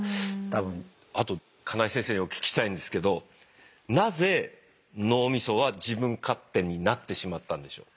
あと金井先生にお聞きしたいんですけどなぜ脳みそは自分勝手になってしまったんでしょう？